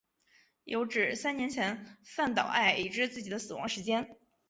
有指三年前饭岛爱已知自己的死亡时间。